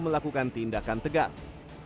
melakukan tindakan tegas